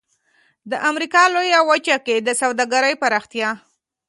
د امریکا لویې وچې کې د سوداګرۍ پراختیا.